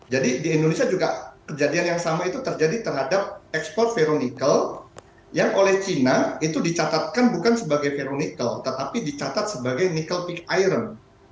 jadi di indonesia juga kejadian yang sama itu terjadi terhadap ekspor ferronikel yang oleh cina itu dicatatkan bukan sebagai ferronikel tetapi dicatat sebagai nikel pick iron